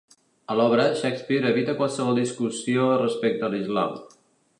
A l'obra, Shakespeare evita qualsevol discussió respecte a l'islam.